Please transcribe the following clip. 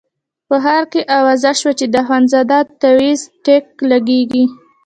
په ښار کې اوازه شوه چې د اخندزاده تاویز ټیک لګېږي.